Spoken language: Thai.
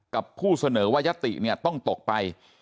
ผู้เสนอว่ายัตติเนี่ยต้องตกไป